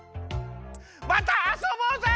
またあそぼうぜ！